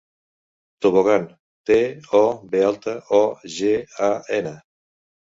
Tobogan: te, o, be alta, o, ge, a, ena.